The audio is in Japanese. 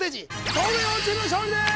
東大王チームの勝利です！